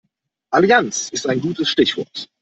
Allianz ist ein gutes Stichwort.